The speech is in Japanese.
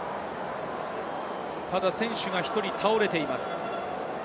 ただ選手が１人倒れています。